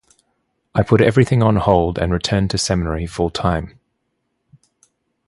I put everything on hold and returned to seminary full-time.